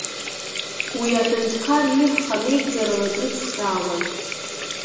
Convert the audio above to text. Уи аҳәынҭқар ир хамеигӡарала дрыцхраауан.